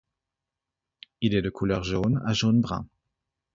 Il est de couleur jaune à jaune-brun.